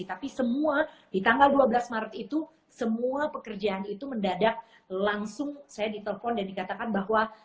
tapi semua di tanggal dua belas maret itu semua pekerjaan itu mendadak langsung saya ditelepon dan dikatakan bahwa